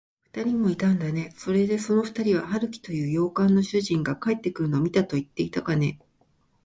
ふたりもいたんだね。それで、そのふたりは、春木という洋館の主人が帰ってくるのを見たといっていたかね。